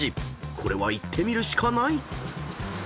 ［これは行ってみるしかない］